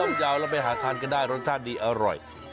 โอ้โฮย่อมยาวแล้วไปหาทานก็ได้รสชาติดีอร่อย